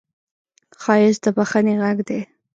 ښایست د بښنې غږ دی